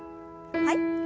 はい。